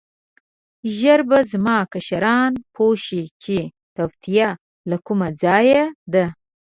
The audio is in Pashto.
ژر به زما کشران پوه شي چې توطیه له کوم ځایه ده.